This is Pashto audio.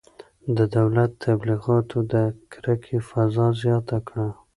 د دولت تبلیغاتو د کرکې فضا زیاته کړه.